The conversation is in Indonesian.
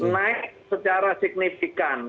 naik secara signifikan